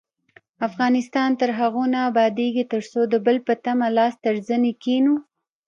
افغانستان تر هغو نه ابادیږي، ترڅو د بل په تمه لاس تر زنې کښينو.